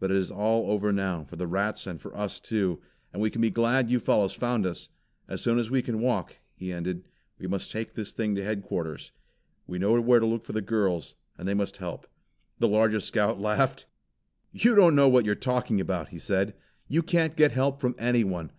But it is all over now, for the rats and for us too; and we can be glad you fellows found us. As soon as we can walk," he ended, "we must take this thing to headquarters. We know where to look for the girls, and they must help." The largest Scout laughed. "You don't know what you are talking about," he said. "You can't get help from anyone.